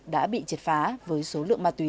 đã bị chệt phá với số lượng ma túy